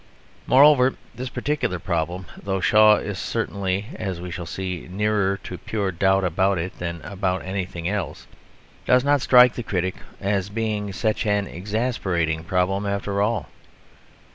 Moreover, this particular problem (though Shaw is certainly, as we shall see, nearer to pure doubt about it than about anything else) does not strike the critic as being such an exasperating problem after all.